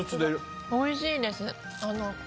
おいしいです。